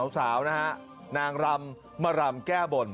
สาวนะฮะนางรำมารำแก้บน